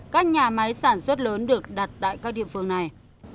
các nhà máy sản xuất lớn được đặt tại các địa phương này